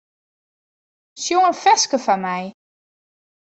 Sjong in ferske foar my.